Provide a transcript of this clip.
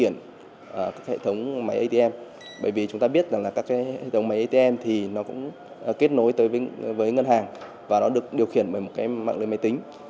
nó cũng kết nối với ngân hàng và được điều khiển bởi một mạng lưới máy tính